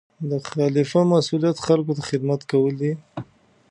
د خلیفه مسؤلیت خلکو ته خدمت کول دي.